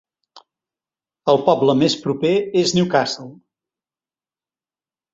El poble més proper és Newcastle.